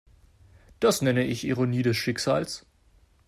Das nenne ich Ironie des Schicksals.